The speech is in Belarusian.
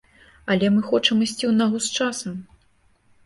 Але мы хочам ісці ў нагу з часам.